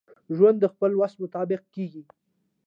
ژوند دخپل وس مطابق کیږي.